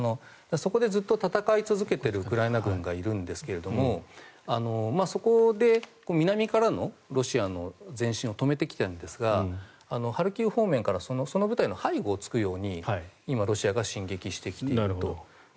そこでずっと戦い続けているウクライナ軍がいるんですがそこで南からのロシアの前進を止めてきたんですがハルキウ方面からその部隊の背後をつくように今、ロシアが進撃してきていると。